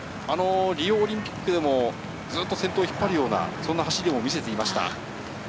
リオオリンピックでもずっと先頭を引っ張るような走りを見せていました。